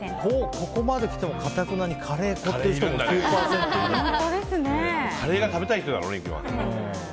ここまで来てもかたくなにカレー粉って人もカレーが食べたい人だろうね。